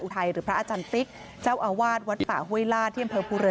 ไทยหรือพระอาจารย์ติ๊กเจ้าอาวาสวัดป่าห้วยล่าที่อำเภอภูเรือ